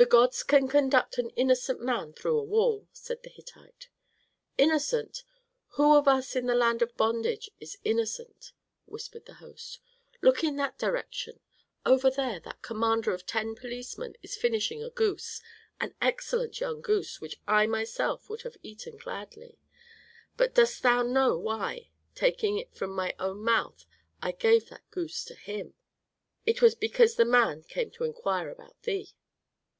"The gods can conduct an innocent man through a wall," said the Hittite. "Innocent! Who of us in the land of bondage is innocent?" whispered the host. "Look in that direction; over there that commander of ten policemen is finishing a goose, an excellent young goose, which I myself would have eaten gladly. But dost thou know why, taking it from my own mouth, I gave that goose to him?" "It was because the man came to inquire about thee."